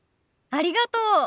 ありがとう。